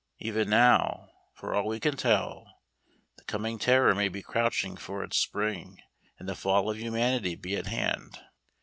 Even now, for all we can tell, the coming terror may be crouching for its spring and the fall of humanity be at hand.